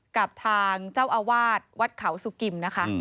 กับทางเจ้าอาวาสวัดเขาสุกิมนะคะ